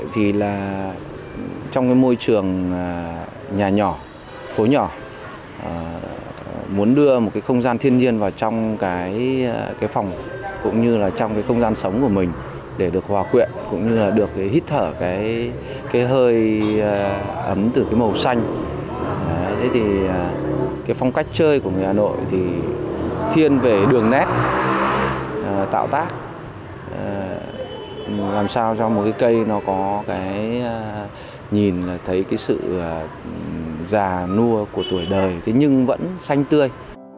tiên về đường nét tạo tác làm sao cho một cây có nhìn thấy sự già nua của tuổi đời nhưng vẫn xanh tươi